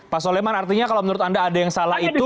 pak soleman artinya kalau menurut anda ada yang salah itu